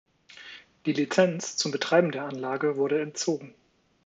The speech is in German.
Die Lizenz zum Betreiben der Anlage wurde entzogen.